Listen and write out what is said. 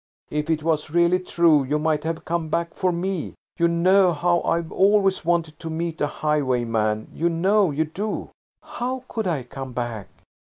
"If it was really true, you might have come back for me. You know how I've always wanted to meet a highwayman–you know you do." "How could I come back?